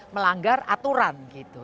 melanggar aturan gitu